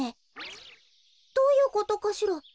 どういうことかしら。